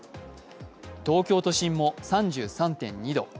東京都心も３３．２度。